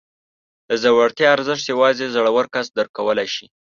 د زړورتیا ارزښت یوازې زړور کس درک کولی شي.